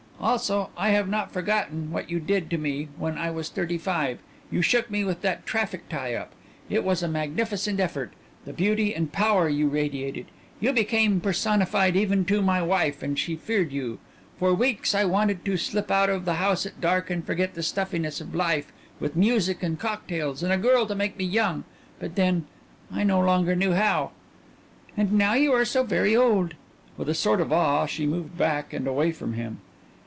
"Also I have not forgotten what you did to me when I was thirty five. You shook me with that traffic tie up. It was a magnificent effort. The beauty and power you radiated! You became personified even to my wife, and she feared you. For weeks I wanted to slip out of the house at dark and forget the stuffiness of life with music and cocktails and a girl to make me young. But then I no longer knew how." "And now you are so very old." With a sort of awe she moved back and away from him.